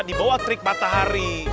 di bawah trik matahari